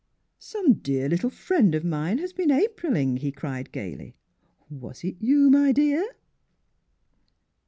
*' Some dear little friend of mine has been Apriling! " he cried gaily. ''Was it you, my dear?